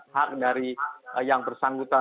hak dari yang bersanggutan